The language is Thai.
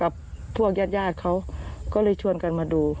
กันแล้วก็กับพวกญาติเขาก็เลยชวนกันมาดู